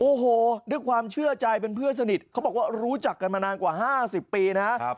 โอ้โหด้วยความเชื่อใจเป็นเพื่อนสนิทเขาบอกว่ารู้จักกันมานานกว่า๕๐ปีนะ